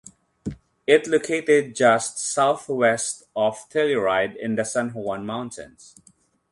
It located just southwest of Telluride in the San Juan Mountains.